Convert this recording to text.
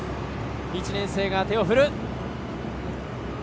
１年生が手を振る。